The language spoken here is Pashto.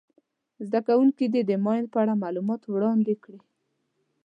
زده کوونکي دې د ماین په اړه معلومات وړاندي کړي.